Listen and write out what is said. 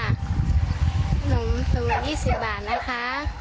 ขนมสูง๒๐บาทนะคะ